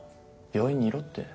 病院にいろって。